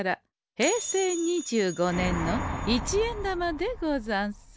平成２５年の一円玉でござんす。